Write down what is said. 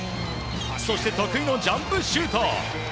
そして得意のジャンプシュート！